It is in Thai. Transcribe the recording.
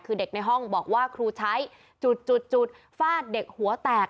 คือเด็กในห้องบอกว่าครูใช้จุดฟาดเด็กหัวแตก